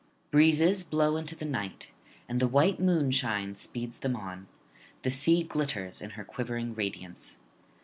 Breezes blow into the night, and the white moonshine speeds them on; the sea glitters in her quivering radiance.